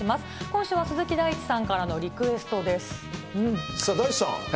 今週は鈴木大地さんからのリクエさあ、大地さん。